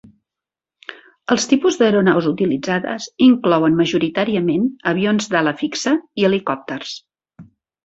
Els tipus d'aeronaus utilitzades inclouen majoritàriament avions d'ala fixa i helicòpters.